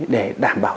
để đảm bảo